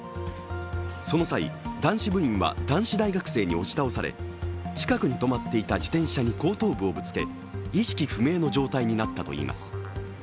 その際、男子部員は男子大学生に押し倒され近くに止まっていた自転車に後頭部をぶつけ意識不明の状態になったといいます。